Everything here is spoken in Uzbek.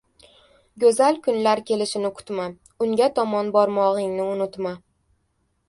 • Go‘zal kunlar kelishini kutma. Unga tomon bormog‘ingni unutma.